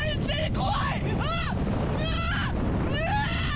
怖い！